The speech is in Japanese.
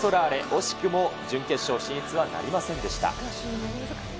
惜しくも準決勝進出はなりませんでした。